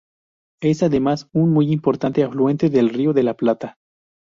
Es, además, un muy importante afluente del Río de la Plata.